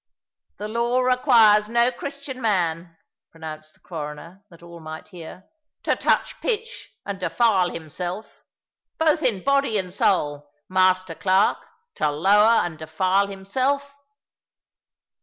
"The law requires no Christian man," pronounced the Crowner, that all might hear, "to touch pitch, and defile himself. Both in body and soul, Master Clerk, to lower and defile himself!"